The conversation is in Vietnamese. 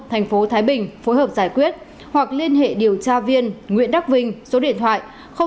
tp thái bình phối hợp giải quyết hoặc liên hệ điều tra viên nguyễn đắc vinh số điện thoại chín trăm bảy mươi chín bảy trăm ba mươi hai trăm tám mươi hai